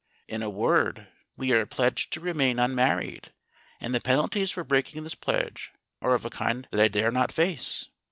In a word, we are pledged to remain unmarried, and the penalties for breaking this pledge are of a kind that I dare not face.